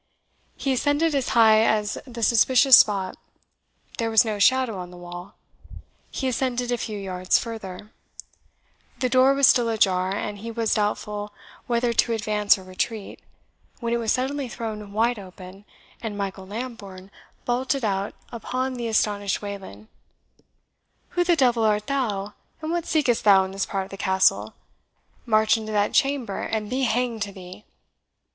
He ascended as high as the suspicious spot there was no shadow on the wall; he ascended a few yards farther the door was still ajar, and he was doubtful whether to advance or retreat, when it was suddenly thrown wide open, and Michael Lambourne bolted out upon the astonished Wayland. "Who the devil art thou? and what seekest thou in this part of the Castle? march into that chamber, and be hanged to thee!"